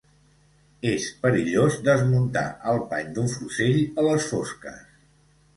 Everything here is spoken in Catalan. És perillós desmuntar el pany d'un fusell a les fosques